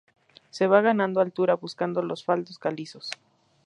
Se va ganando altura buscando los faldones calizos.